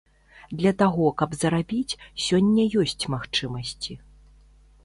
Для таго каб зарабіць, сёння ёсць магчымасці.